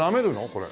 これ。